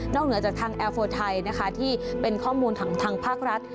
เหนือจากทางแอร์โฟไทยนะคะที่เป็นข้อมูลของทางภาครัฐ